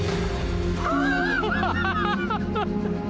ハハハハ！